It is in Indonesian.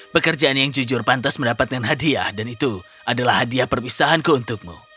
pekerjaan yang jujur pantas mendapatkan hadiah dan itu adalah hadiah perpisahanku untukmu